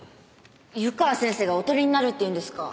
湯川先生がおとりになるっていうんですか？